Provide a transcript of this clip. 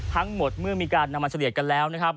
ทั้งหมดเมื่อมีการนำมาเฉลี่ยกันแล้วนะครับ